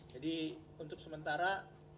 jadi untuk sementara